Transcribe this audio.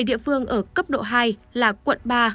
bảy địa phương ở cấp độ hai là quảng bình